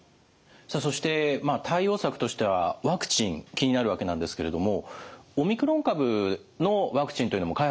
そして対応策としてはワクチン気になるわけなんですけれどもオミクロン株のワクチンというのも開発されてるんですよね？